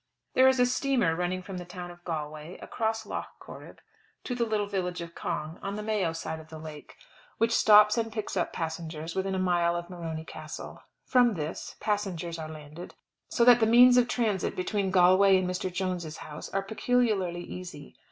There is a steamer running from the town of Galway, across Lough Corrib, to the little village of Cong, on the Mayo side of the lake, which stops and picks up passengers within a mile of Morony Castle. From this, passengers are landed, so that the means of transit between Galway and Mr. Jones's house are peculiarly easy.